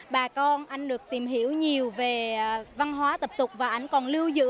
bà con anh được tìm hiểu nhiều về văn hóa tập tục và ảnh còn lưu giữ